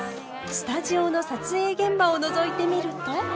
スタジオの撮影現場をのぞいてみると。